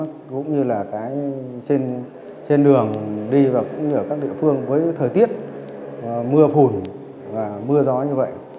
cũng như là cái trên đường đi và cũng như ở các địa phương với thời tiết mưa phùn và mưa gió như vậy